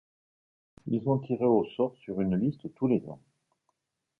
Ils sont tirés au sort sur une liste tous les ans.